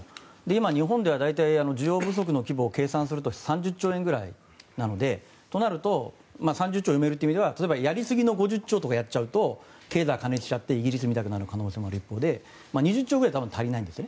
今、日本では大体需要不足の規模を計算すると３０兆円ぐらいなのでとなると、３０兆積めるという意味では例えば、やりすぎの５０兆とかをやっちゃうと経済が過熱してイギリスみたくなる可能性もある一方で２０兆ぐらいだと足りないんです。